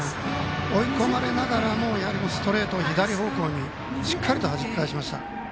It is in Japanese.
追い込まれながらもストレートを左方向にしっかりとはじき返しました。